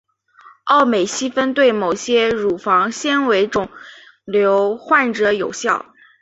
奥美昔芬对某些乳房纤维腺瘤患者有效。